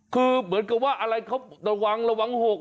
คือเหมือนกับว่าอะไรเขาระวังระวังหก